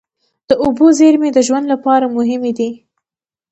د اوبو زیرمې د ژوند لپاره مهمې دي.